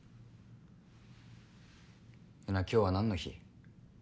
えな今日は何の日？